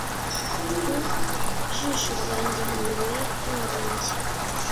Ku jisho ryanjye nkumbuye iwanjye